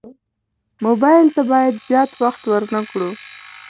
موبایل ته باید زیات وخت ورنه کړو.